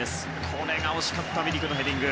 これが惜しかったミリクのヘディング。